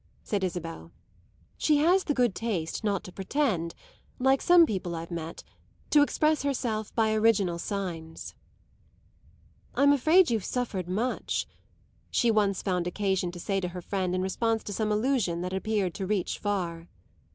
said Isabel. "She has the good taste not to pretend, like some people I've met, to express herself by original signs." "I'm afraid you've suffered much," she once found occasion to say to her friend in response to some allusion that had appeared to reach far.